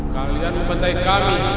kalian memandai kami